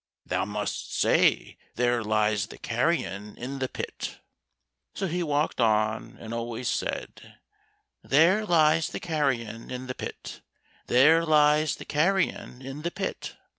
"Thou must say, 'There lies the carrion in the pit!'" So he walked on, and always said, "There lies the carrion in the pit, there lies the carrion in the pit."